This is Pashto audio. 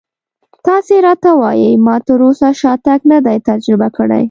تاسې راته ووایئ ما تراوسه شاتګ نه دی تجربه کړی.